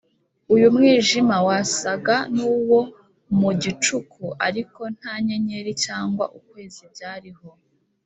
uyu mwijima wasaga n’uwo mu gicuku ariko nta nyenyeri cyangwa ukwezi byariho